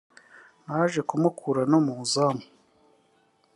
Naje kumukura no mu izamu